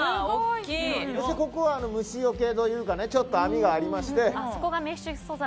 ここは虫よけというかちょっと網がありまして。